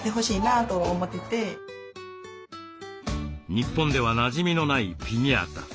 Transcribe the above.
日本ではなじみのないピニャータ。